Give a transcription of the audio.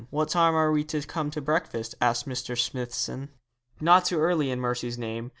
'What time are we to come to breakfast? asked Mr. Smithson. 'Not too early, in mercy's name.